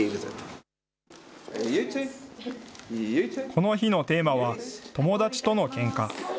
この日のテーマは、友達とのけんか。